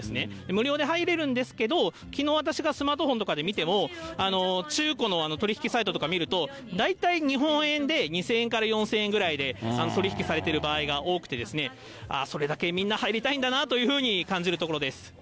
無料で入れるんですけど、きのう、私がスマートフォンとかで見ても、中古の取り引きサイトとか見ると、大体、日本円で２０００円から４０００円ぐらいで取り引きされてる場合が多くて、ああ、それだけみんな、入りたいんだなと感じるところです。